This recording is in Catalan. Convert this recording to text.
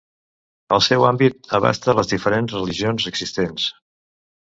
El seu àmbit abasta les diferents religions existents.